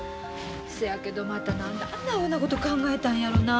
そやけどまた何であんなアホなこと考えたんやろな。